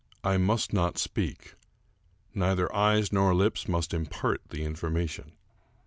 I must not speak. Neither eyes nor lips must impart the information.